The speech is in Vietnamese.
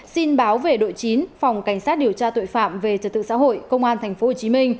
xin báo về đội chín phòng cảnh sát điều tra tội phạm về trật tự xã hội công an tp hcm